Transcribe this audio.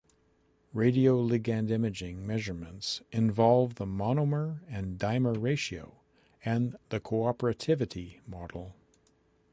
Radioligand imaging measurements involve the monomer and dimer ratio, and the 'cooperativity' model.